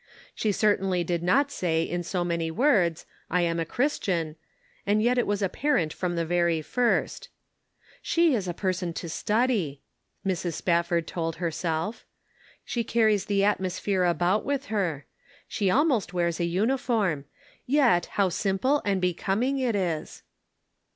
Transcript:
She certainly did not say in so many words, " I am a Christian," and yet it was apparent from the very first. "She is a person to study," Mrs. Spafford told herself ;" she carries the atmosphere about with her. She almost wears Subtle Distinctions. 145 a uniform ; yet how simple and becoming it is."